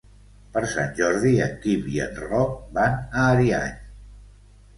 Per Sant Jordi en Quim i en Roc van a Ariany.